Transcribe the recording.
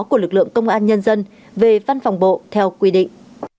của lực lượng công an nhân dân về văn phòng bộ theo quy định